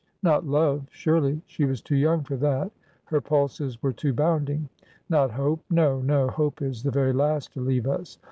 Not love, surely. She was too young for that— her pulses were too bounding. Not hope? No, no. Hope is the very last to leave us.